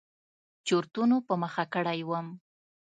چورتونو په مخه کړى وم.